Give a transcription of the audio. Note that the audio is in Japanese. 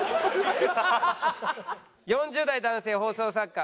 ４０代男性放送作家